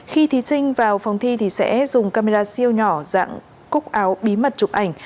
khi thí sinh vào phòng thi thì sẽ dùng camera siêu nhỏ dạng cúc áo bí mật chụp ảnh